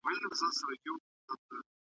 که انلاین ښوونځی وي نو پوهه نه کمیږي.